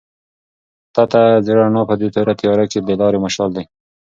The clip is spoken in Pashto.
تته زېړه رڼا په دې توره تیاره کې د لارې مشال دی.